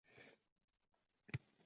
Nima uchun kelining vidolashgani kelmadi